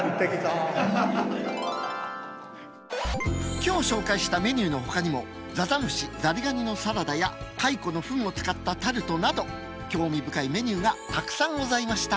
今日紹介したメニューのほかにもざざむしザリガニのサラダや蚕の糞を使ったタルトなど興味深いメニューがたくさんございました。